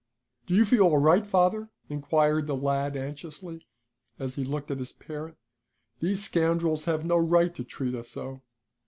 "Do you feel all right, father?" inquired the lad anxiously, as he looked at his parent. "These scoundrels have no right to treat us so."